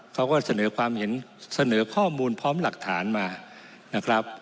เขาก็เสนอความเห็นเสนอข้อมูลพร้อมหลักฐานมานะครับ